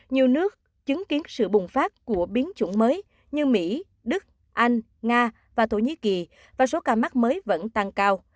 nhiều nước chứng kiến sự bùng phát của biến chủng mới như mỹ đức anh nga và thổ nhĩ kỳ và số ca mắc mới vẫn tăng cao